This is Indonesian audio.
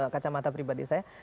kacamata pribadi saya